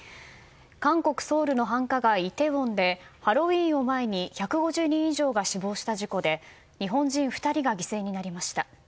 韓国ソウルの繁華街イテウォンでハロウィーンを前に１５０人以上が死亡した事故で日本人２人が犠牲になりました。